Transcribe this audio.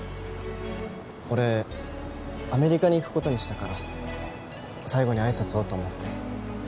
俺アメリカに行く事にしたから最後に挨拶をと思って。